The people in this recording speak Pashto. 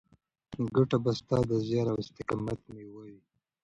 ګټه به ستا د زیار او استقامت مېوه وي.